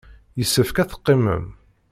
Yessefk ad teqqimem.